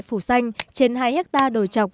phủ xanh trên hai hectare đồi trọc